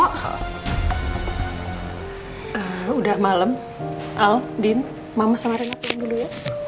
ehm udah malem